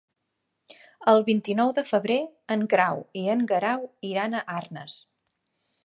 El vint-i-nou de febrer en Grau i en Guerau iran a Arnes.